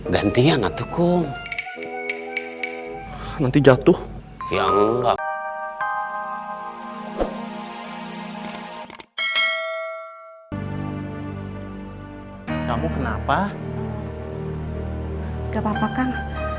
gantian atau kum nanti jatuh yang enggak kamu kenapa udah papa kang